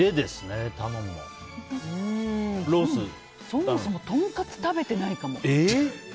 そもそもとんかつ食べてないかも。